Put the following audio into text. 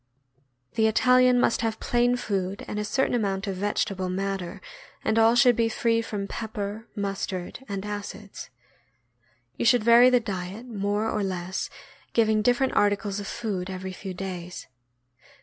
The Italian must have plain food and a certain amount of vegetable matter, and all should be free from pepper, mustard, and acids. You should vary the diet more or less, giving different articles of food every few days.